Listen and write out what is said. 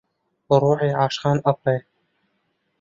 ڕۆحی عاشقان ئەبڕێ